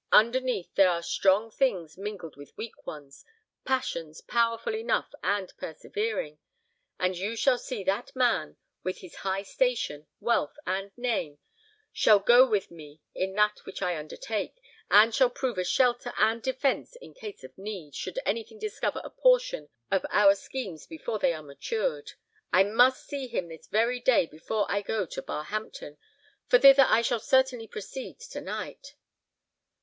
Underneath it there are strong things mingled with weak ones passions powerful enough and persevering; and you shall see that man, with his high station, wealth, and name, shall go with me in that which I undertake, and shall prove a shelter and defence in case of need, should anything discover a portion of our schemes before they are matured. I must see him this very day before I go to Barhampton, for thither I shall certainly proceed to night."